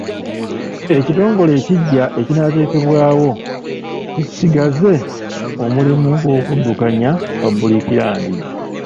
Ekitongole ekiggya ekinaateekebwawo kisigaze omulimu gw'okuddukanya public land.